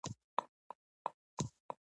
موږ له کلونو راهیسې د سولې لپاره کار کوو.